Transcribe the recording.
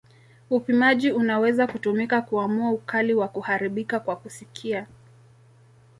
Upimaji unaweza kutumika kuamua ukali wa kuharibika kwa kusikia.